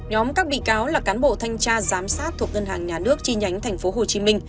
nhóm các bị cáo là cán bộ thanh tra giám sát thuộc ngân hàng nhà nước chi nhánh tp hcm